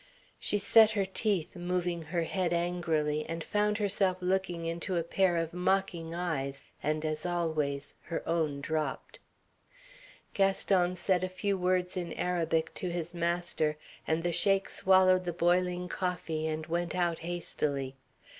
She set her teeth, moving her head angrily, and found herself looking into a pair of mocking eyes, and, as always, her own dropped. Gaston said a few words in Arabic to his master, and the Sheik swallowed the boiling coffee and went out hastily.